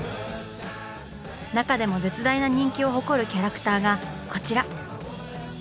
中でも絶大な人気を誇るキャラクターがこちら！